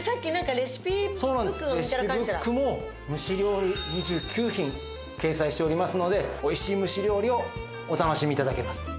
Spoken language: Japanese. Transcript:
レシピブックも蒸し料理２９品掲載しておりますのでおいしい蒸し料理をお楽しみ頂けます。